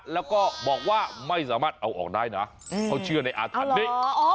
แล้วก็บอกว่าไม่สามารถเอาออกได้นะเขาเชื่อในอาถรรพ์นี้